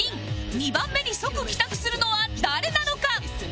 ２番目に即帰宅するのは誰なのか？